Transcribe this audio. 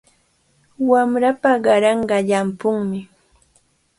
Wamrapa kaaranqa llampumi.